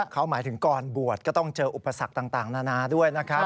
เขาหมายถึงก่อนบวชก็ต้องเจออุปสรรคต่างนานาด้วยนะครับ